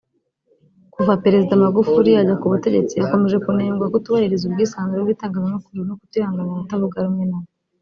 Kuva Perezida Magufuli yajya ku butegetsi akomeje kunengwa kutubahiriza ubwisanzure bw’itangazamakuru no kutihanganira abatavuga rumwe nawe